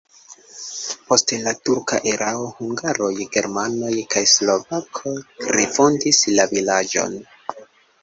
Post la turka erao hungaroj, germanoj kaj slovakoj refondis la vilaĝon.